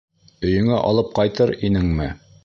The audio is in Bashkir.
Өйөңә алып ҡайтыр инеңме?